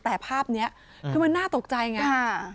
แต่ภาพนี้คือมันน่าตกใจไง